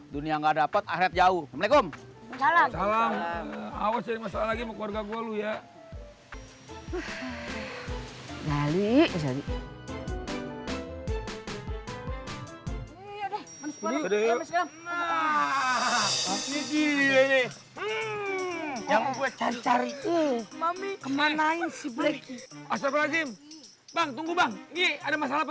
dunia nggak dapat akhirat jauh assalamualaikum salam salam awas masalah keluarga gua lu ya